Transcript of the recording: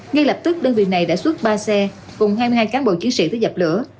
ngay lập tức đơn vị này đã xuất ba xe cùng hai mươi hai cán bộ chiến sĩ tới dập lửa